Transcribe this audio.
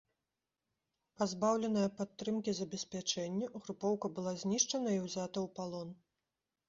Пазбаўленая падтрымкі забеспячэння, групоўка была знішчана і ўзята ў палон.